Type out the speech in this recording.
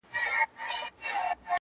او د متعصبينو پر هغې هم غوږ مه نيسئ